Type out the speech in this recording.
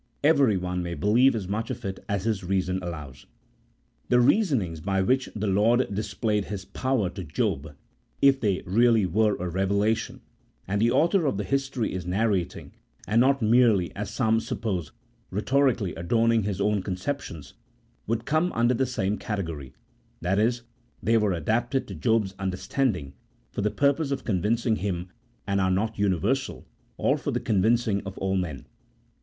Every one may believe as much of it as his reason allows. The reasonings by which the Lord displayed His power to Job (if they really were a revelation, and the author of the history is narrating, and not merely, as some suppose, rhetorically adorning his own conceptions), would come under the same category — that is, they were adapted to Job's understanding, for the purpose of convincing him, and are not universal, or for the convincing of all men.